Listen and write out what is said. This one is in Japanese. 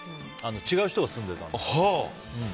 違う人が住んでいたんです。